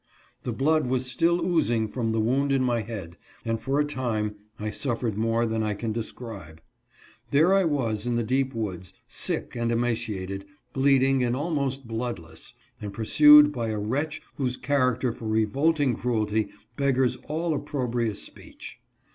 The blood was still oozing from the wound in my head, and for a time I suffered more than I can describe. There I was in the deep woods, sick and emaciated, bleed ing and almost bloodless, and pursued by a wretch whose character for revolting cruelty beggars all opprobrious speech.